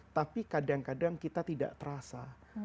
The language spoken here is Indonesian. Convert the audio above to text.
tapi kadang kadang kita tidak terasa